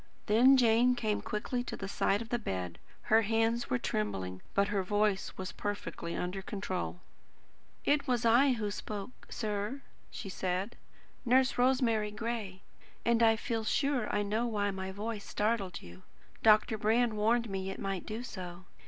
Then Jane came quickly to the side of the bed. Her hands were trembling, but her voice was perfectly under control. "It was I who spoke, sir," she said; "Nurse Rosemary Gray. And I feel sure I know why my voice startled you. Dr. Brand warned me it might do so.